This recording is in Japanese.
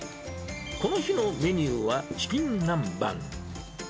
この日のメニューはチキン南蛮。